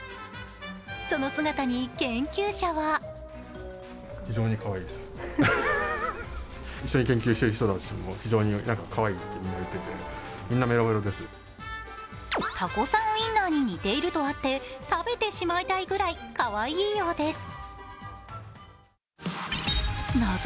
その姿に研究者はたこさんウインナーに似ているとあって、食べてしまいたいぐらいかわいいようです。